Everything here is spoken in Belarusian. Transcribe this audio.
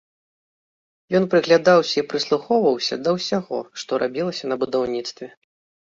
Ён прыглядаўся і прыслухоўваўся да ўсяго, што рабілася на будаўніцтве.